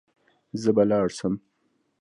زه به لاړ سم.